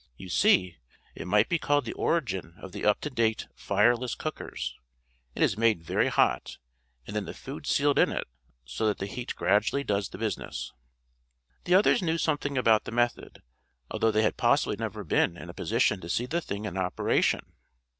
You see, it might be called the origin of the up to date 'fireless cookers.' It is made very hot, and then the food sealed in it so that the heat gradually does the business." The others knew something about the method, although they had possibly never been in a position to see the thing in operation.